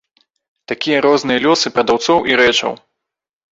Такія розныя лёсы прадаўцоў і рэчаў.